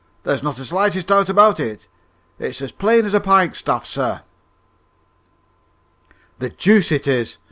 "There's not the slightest doubt about it. It's as plain as a pike staff, sir." "The deuce it is!"